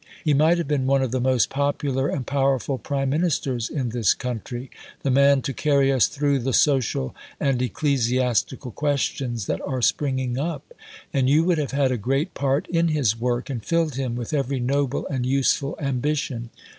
He might have been one of the most popular and powerful Prime Ministers in this country the man to carry us through the social and ecclesiastical questions that are springing up. And you would have had a great part in his work and filled him with every noble and useful ambition.